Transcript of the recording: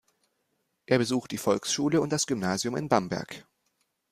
Er besucht die Volksschule und das Gymnasium in Bamberg.